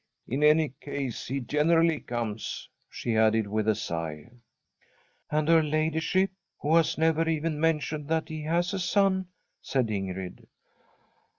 In any case, he generally comes,' she added, with a sigh. * And her ladyship, who has never even men tioned that she has a son,' said Ingrid.